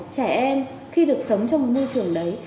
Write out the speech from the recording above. trẻ em khi được sống trong một môi trường đấy